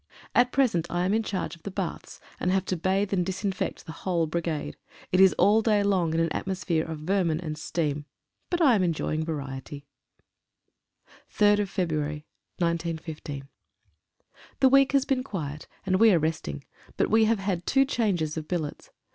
At present I am in charge of the baths, and have to bathe and disinfect the whole brigade. It is all day long in an atmosphere of vermin and steam. I am enjoying variety. 28 VARIED EXPERIENCES. 3/2/15. HE week has been quiet, as we are resting, but we have had two changes of billets.